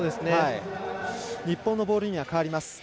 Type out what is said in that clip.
日本のボールに変わります。